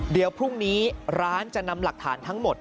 เดี๋ยวพรุ่งนี้ร้านจะนำหลักฐานทั้งหมด